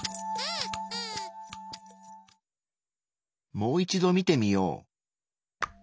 もう一度見てみよう。